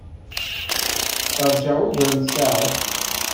Teṛja ugar n tsaɛet.